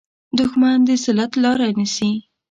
دښمن د ذلت لاره نیسي